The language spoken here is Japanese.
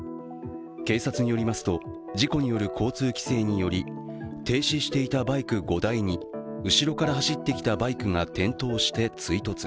警察によりますと、事故による交通規制により停止していたバイク５台に後ろから走ってきたバイクが転倒して追突。